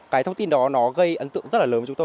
cái thông tin đó nó gây ấn tượng rất là lớn